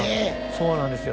そうなんですよ